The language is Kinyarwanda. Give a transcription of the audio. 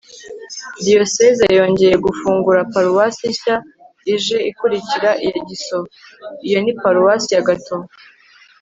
diyosezi yongeye gufungura paruwasi nshya ije ikurikira iya gisovu. iyo ni paruwasi ya gatovu